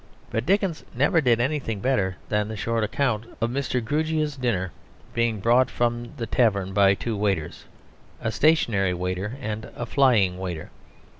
But Dickens never did anything better than the short account of Mr. Grewgious's dinner being brought from the tavern by two waiters: "a stationary waiter," and "a flying waiter."